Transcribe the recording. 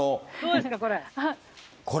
これ。